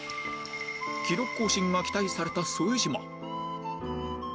記録更新が期待された副島